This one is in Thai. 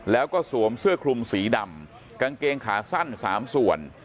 แล้วก็สวมเสื้อคลุมสีดำกางเกงขาสั้น๓ส่วน